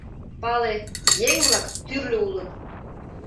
Пале, еҥ-влак тӱрлӧ улыт.